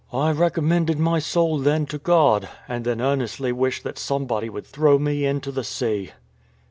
I recommended my soul then to God, and then earnestly wished that somebody would throw me into the into the sea.